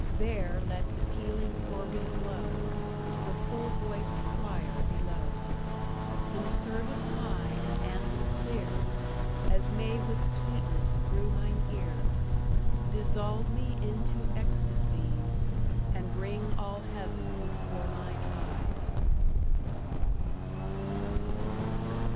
There let the pealing organ blow, To the full voiced choir below, In service high and anthem clear, As may with sweetness through mine ear Dissolve me into ecstacies, And bring all heaven before mine eyes.